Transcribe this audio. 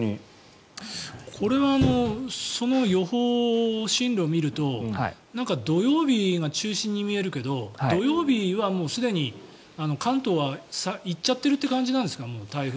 これはその予報進路を見ると土曜日が中心に見えるけど土曜日はもうすでに台風は関東は行っちゃってるという感じなんですか？